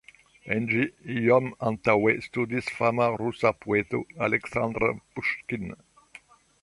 En ĝi iom antaŭe studis fama rusa poeto Aleksandr Puŝkin.